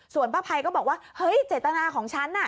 ส่วนป้าภัยก็บอกว่าเฮ้ยเจตนาของฉันน่ะ